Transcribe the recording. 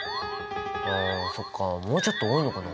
あそっかもうちょっと多いのかな。